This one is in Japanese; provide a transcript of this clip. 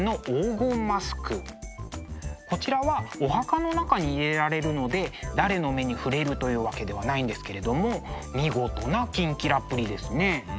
こちらはお墓の中に入れられるので誰の目に触れるというわけではないんですけれども見事なキンキラっぷりですね。